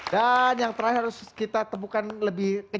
dan yang terakhir harus kita temukan lebih kecil lagi